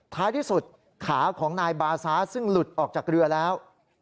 ท้ายที่สุดขาของนายบาซาซึ่งหลุดออกจากเรือแล้ว